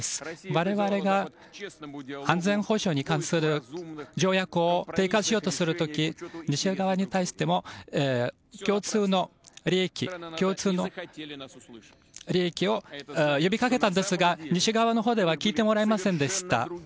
我々が安全保障に関する条約を諦観しようとする時西側に対しても共通の利益を呼びかけたんですが西側のほうでは聞いてもらえませんでした。